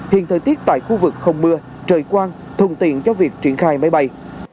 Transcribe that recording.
hiện thời tiết tại khu vực không mưa trời quang thuận tiện cho việc triển khai máy bay